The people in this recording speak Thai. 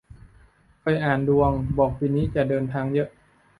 เคยอ่านดวง บอกปีนี้จะเดินทางเยอะ